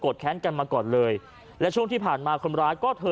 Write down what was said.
แค้นกันมาก่อนเลยและช่วงที่ผ่านมาคนร้ายก็เธอ